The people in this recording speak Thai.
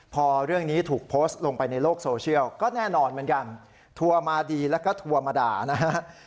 พอเรื่องนี้ถูกโพสต์ลงไปในโลกโซเชียลก็แน่นอนเหมือนกันทัวร์มาดีแล้วก็ทัวร์มาด่านะฮะ